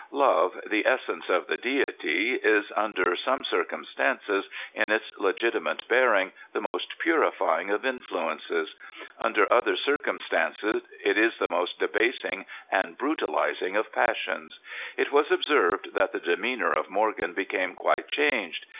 Love, the essence of the deity, is, under some circumstances, in its legitimate bearing, the most purifying of influences. Under other circumstances it is the most debasing and brutalizing of passions. It was observed that the demeanor of Morgan became quite changed.